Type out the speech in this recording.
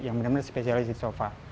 yang bener bener spesialis di sofa